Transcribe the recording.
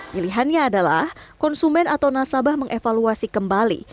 pilihannya adalah konsumen atau nasabah mengevaluasi kembali